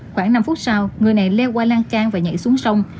khoảng năm phút sau người này leo qua lan trang và nhảy xuống sông